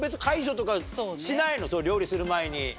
料理する前に。